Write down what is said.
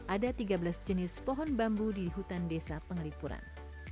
ada tiga belas jenis pohon bambu di hutan desa pengelipuran